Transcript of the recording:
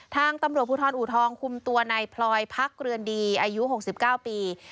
ทางตำรวจภูทรอูทองคุมตัวในพลอยพักเรือนดีอายุ๖๙ปี